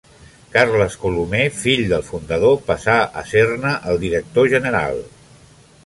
Carles Colomer, fill del fundador, passa a ser-ne el director general.